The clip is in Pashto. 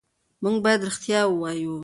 موږ باید رښتیا ووایو.